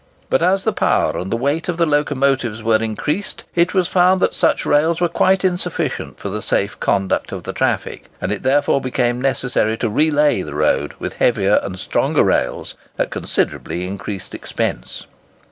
But as the power and the weight of the locomotives were increased, it was found that such rails were quite insufficient for the safe conduct of the traffic, and it therefore became necessary to re lay the road with heavier and stronger rails at considerably increased expense.